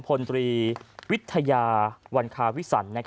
พลตรีวิทยาวันคาวิสัน